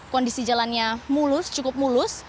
kondisi jalannya mulus cukup mulus